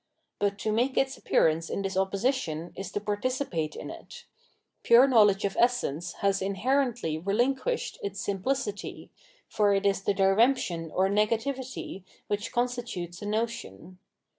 But to make its appearance in this oppo sition is to participate in it ; pure knowledge of essence has inherently relinquished its simplicity, for it is the diremption or negativity which constitutes the notion.